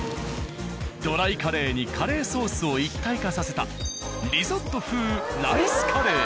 ドライカレーにカレーソースを一体化させたリゾット風ライスカレー。